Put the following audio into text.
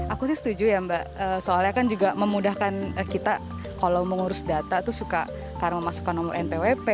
aku sih setuju ya mbak soalnya kan juga memudahkan kita kalau mengurus data itu suka karena memasukkan nomor npwp